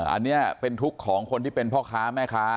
อันนี้เป็นทุกข์ของคนที่เป็นพ่อค้าแม่ค้า